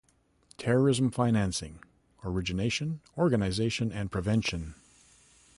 Terrorism financing: origination, organization, and prevention.